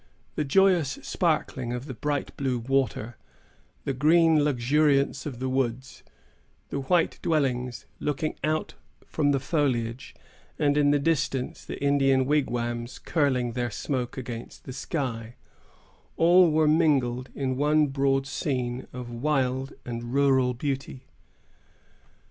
The joyous sparkling of the bright blue water; the green luxuriance of the woods; the white dwellings, looking out from the foliage; and, in the distance, the Indian wigwams curling their smoke against the sky,——all were mingled in one broad scene of wild and rural beauty.